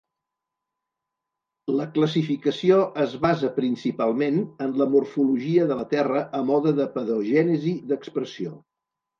La classificació es basa principalment en la morfologia de la terra a mode de pedogènesi d"expressió.